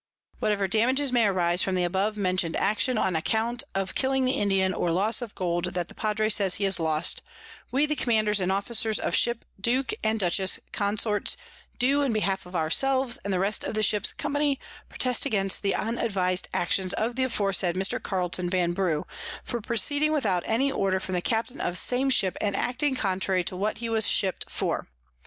Whatever Damages may arise from the above mention'd Action on the account of killing the_ Indian, or Loss of the Gold that the Padre says he has lost, We the Commanders and Officers of Ship Duke and Dutchess _Consorts, do in behalf of our selves, and the rest of the Ships Company, protest against the unadvis'd Actions of the aforesaid Mr._ Carleton Vanbrugh, _for proceeding without any Order from the Captain of the same Ship, and acting contrary to what he was ship'd for.